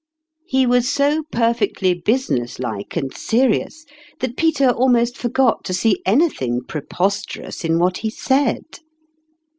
He was so perfectly business like and seri ous that Peter almost forgot to see anything preposterous in what he said.